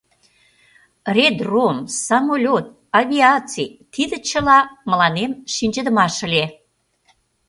Редром, самолёт, авиаций — тиде чыла мыланем шинчыдымаш ыле.